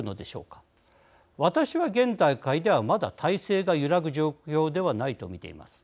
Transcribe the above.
私は現段階ではまだ体制が揺らぐ状況ではないと見ています。